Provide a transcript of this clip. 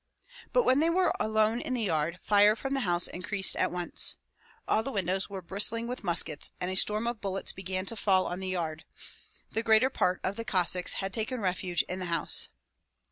But when they were alone in the yard, fire from the house increased at once. All the windows were bristling with muskets, and a storm of bullets began to fall on the yard. The greater part of the Cossacks had taken refuge in the house.